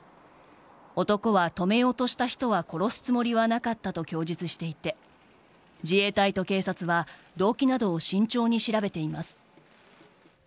男は止めようとした人は殺すつもりはなかったと供述していて自衛隊と警察は動機などを慎重に調べています。